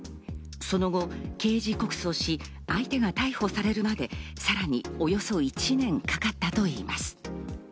その後、刑事告訴し、相手が逮捕されるまで、さらにおよそ１年かかったといいます。